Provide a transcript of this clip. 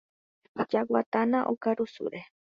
Jaguatána okarusúre.